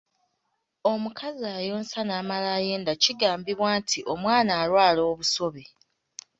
Omukazi ayonsa n'amala ayenda kigambibwa nti omwana alwala obusobe